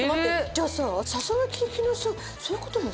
じゃあさささがき的なさそういう事もさ